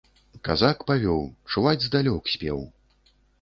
Казак павёў, чуваць здалёк спеў.